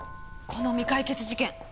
この未解決事件